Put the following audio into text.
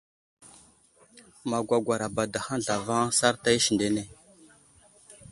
Magwagwar abadahaŋ zlavaŋ sarta isindene.